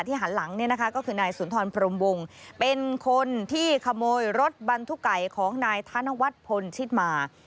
หันหลังเนี่ยนะคะก็คือนายสุนทรพรมวงเป็นคนที่ขโมยรถบรรทุกไก่ของนายธนวัฒน์พลชิตมา